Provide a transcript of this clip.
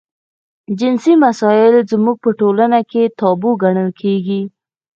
جنسي مسایل زموږ په ټولنه کې تابو ګڼل کېږي.